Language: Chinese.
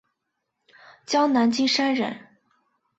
江南金山人。